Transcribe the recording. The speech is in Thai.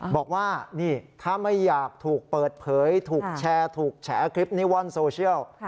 บอกว่านี่ถ้าไม่อยากถูกเปิดเผยถูกแชร์ถูกแฉคลิปนี้ว่อนโซเชียล